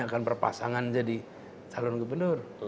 bayangkan bahwa anaknya akan berpasangan jadi calon gubernur